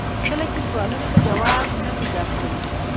کله چې سوالونو ته ځواب نه پیدا کوي.